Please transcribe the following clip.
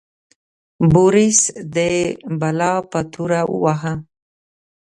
بوریس د بلا په توره وواهه.